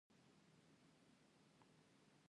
ازادي راډیو د کډوال په اړه د خلکو نظرونه خپاره کړي.